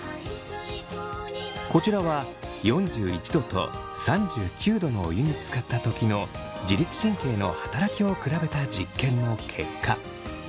こちらは４１℃と３９℃のお湯につかった時の自律神経の働きを比べた実験の結果。